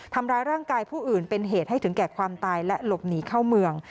ทำร้ายร่างกายผู้อื่นเป็นเหตุให้ถึงแก่ความตายและหลบหนีเข้าเมือง